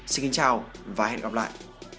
xin kính chào và hẹn gặp lại